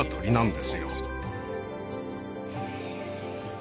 で